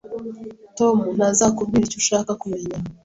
Tom ntazakubwira icyo ushaka kumenya